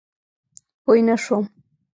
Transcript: پوی نه شوم.